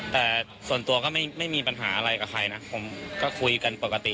แต่ส่วนตัวก็ไม่มีปัญหาอะไรกับใครนะผมก็คุยกันปกติ